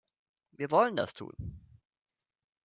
Wir wollen das tun!